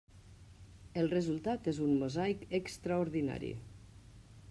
El resultat és un mosaic extraordinari.